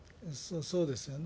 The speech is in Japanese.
そうです。